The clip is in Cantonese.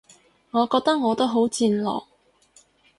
我覺得我都好戰狼